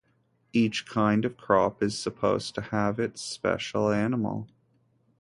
Each kind of crop is supposed to have its special animal.